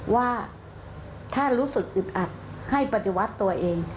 ว่าถ้ารู้สึกอึดอัดให้ปฏิวัติตัวเอง